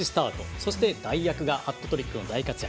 そして代役がハットトリックの大活躍。